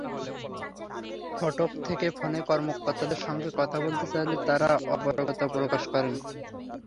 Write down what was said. ফটক থেকে ফোনে কর্মকর্তাদের সঙ্গে কথা বলতে চাইলেও তাঁরা অপারগতা প্রকাশ করেন।